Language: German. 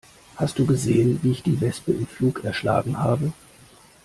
Hast du gesehen, wie ich die Wespe im Flug erschlagen habe?